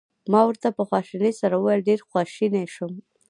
ما ورته په خواشینۍ سره وویل: ډېر خواشینی شوم.